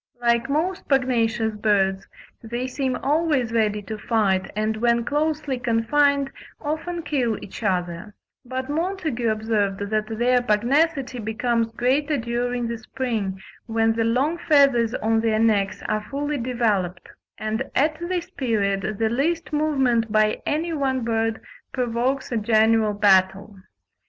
Like most pugnacious birds, they seem always ready to fight, and when closely confined, often kill each other; but Montagu observed that their pugnacity becomes greater during the spring, when the long feathers on their necks are fully developed; and at this period the least movement by any one bird provokes a general battle.